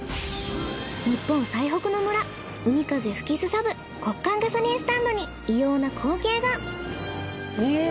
日本最北の村海風吹きすさぶ極寒ガソリンスタンドに異様な光景が。